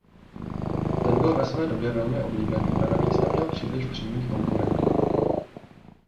Ten byl ve své době velmi oblíbený a navíc neměl příliš přímých konkurentů.